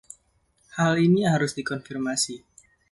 Hal ini harus dikonfirmasi.